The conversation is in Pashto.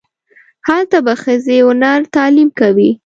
هلته به ښځې و نر تعلیم کوي.